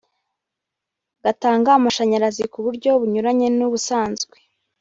gatanga amashanyarazi ku buryo bunyuranye n’ubusanzwe